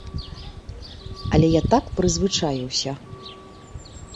Але я так прызвычаіўся.